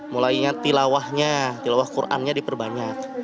mulainya tilawahnya tilawah qurannya diperbanyak